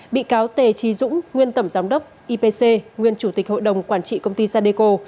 bị cáo tề trí dũng nguyên tổng giám đốc ipc nguyên chủ tịch hội đồng quản trị công ty sadeco